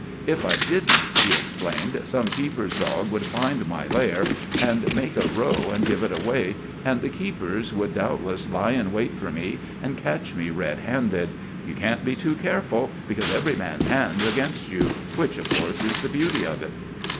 "If I didn't," he explained, "some keeper's dog would find my lair, and make a row and give it away, and the keepers would doubtless lie in wait for me and catch me red handed. You can't be too careful, because every man's hand's against you; which, of course, is the beauty of it."